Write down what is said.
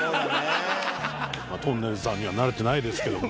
とんねるずさんにはなれてないですけども。